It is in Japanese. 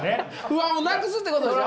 不安をなくすってことでしょ？